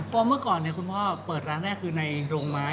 เพราะเมื่อก่อนคุณพ่อเปิดร้านแรกคือในโรงไม้